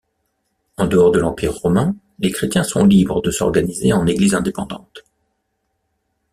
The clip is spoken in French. En dehors de l'Empire romain, les chrétiens sont libres de s'organiser en Églises indépendantes.